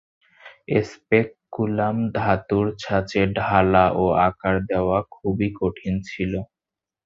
স্পেককুলাম ধাতু ছাঁচে ঢালা ও আকার দেওয়া খুবই কঠিন ছিল।